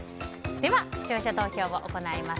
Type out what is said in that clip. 視聴者投票を行います。